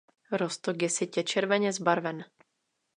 Roztok je sytě červeně zbarven.